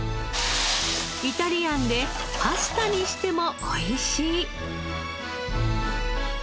イタリアンでパスタにしてもおいしい。